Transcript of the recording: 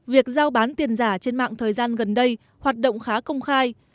việc giao bán tiền giả trên mạng thời gian gần đây hoạt động khá công khai